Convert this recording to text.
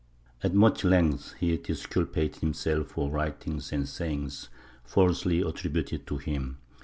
At much length he disculpated himself for writings and sayings falsely attributed to him.